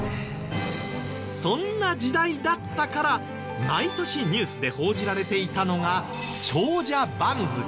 そんな時代だったから毎年ニュースで報じられていたのが。